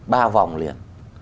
ba vòng liền